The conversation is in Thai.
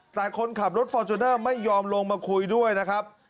แต่คนขับรถฟอร์จูเนอร์ไม่ยอมลงมาคุยด้วยนะครับ